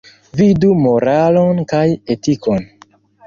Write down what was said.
Vidu moralon kaj etikon.